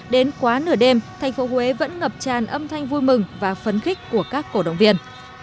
đến quá nửa đêm thành phố huế vẫn ngập tràn âm thanh vui mừng và phấn khích của các cổ động viên